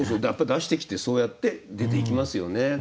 やっぱ出してきてそうやって出ていきますよね。